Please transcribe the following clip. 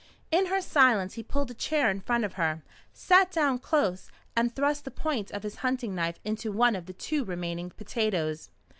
In her silence he pulled a chair in front of her, sat down close, and thrust the point of his hunting knife into one of the two remaining potatoes.